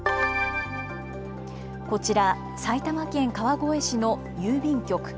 こちら、埼玉県川越市の郵便局。